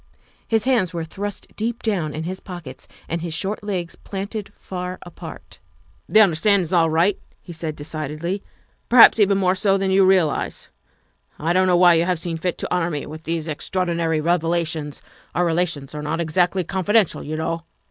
His hands were thrust deep down in his pockets and his short legs planted far apart. " The understanding's all right," he said decidedly, '' perhaps even more so than you realize. I don 't know why you have seen fit to honor me with these extraor dinary revelations our relations are not exactly confi dential, you know.